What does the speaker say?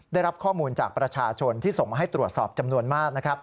ได้รับข้อมูลจากประชาชนที่ส่งมาให้ตรวจสอบจำนวนมากนะครับ